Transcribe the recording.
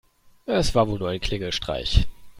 Es war wohl nur ein Klingelstreich.